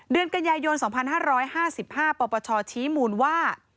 เดือนกันยายน๒๕๕๕ปปชชี้มูลว่า